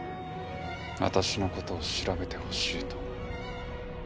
私の事を調べてほしいと。